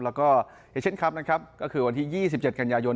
แล้วก็เอเชียนคลับนะครับก็คือวันที่๒๗กันยายน